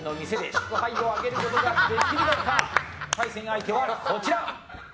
対戦相手はこちら。